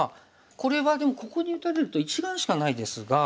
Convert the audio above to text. これはでもここに打たれると１眼しかないですが。